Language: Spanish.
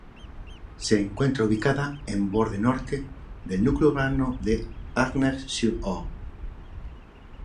Se encuentra ubicada en borde norte del núcleo urbano de Arnex-sur-Orbe.